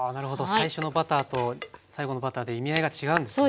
最初のバターと最後のバターで意味合いが違うんですね。